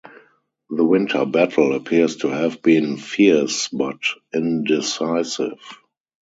The winter battle appears to have been fierce, but indecisive.